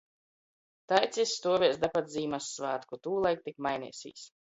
Taids jis stuovēs da pat Zīmyssvātku, tūlaik tik maineisīs.